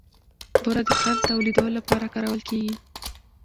بوره د قند تولیدولو لپاره کارول کېږي.